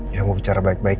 ya mau bicara baik baik